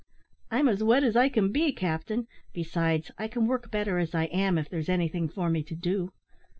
"I'm as wet as I can be, captain; besides, I can work better as I am, if there's anything for me to do."